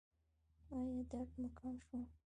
ایا درد مو کم شو؟